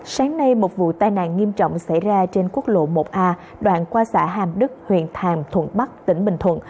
sáng nay một vụ tai nạn nghiêm trọng xảy ra trên quốc lộ một a đoạn qua xã hàm đức huyện hàm thuận bắc tỉnh bình thuận